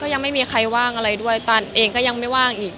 ยังไม่มีใครว่างอะไรด้วยตานเองก็ยังไม่ว่างอีก